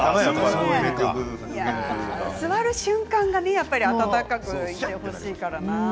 座る瞬間が温かくしてほしいからな。